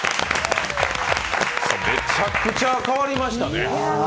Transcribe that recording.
めちゃくちゃ変わりましたね。